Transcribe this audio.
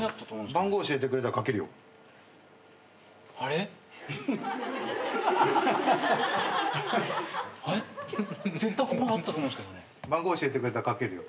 番号教えてくれたらかけるよ。